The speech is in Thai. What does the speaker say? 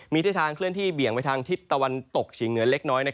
มีทิศทางเคลื่อนที่เบี่ยงไปทางทิศตะวันตกเฉียงเหนือเล็กน้อย